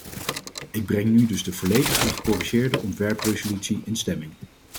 Ik breng dus nu de volledige gecorrigeerde ontwerpresolutie in stemming.